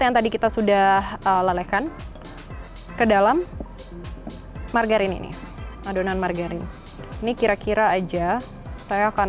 yang tadi kita sudah lelehkan ke dalam margarin ini adonan margarin ini kira kira aja saya akan